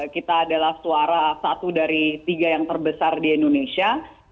kita adalah suara satu dari tiga yang terbesar di indonesia